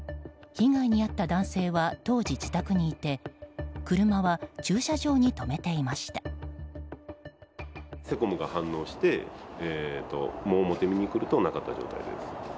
被害に遭った男性は当時、自宅にいて車は駐車場に止めていました。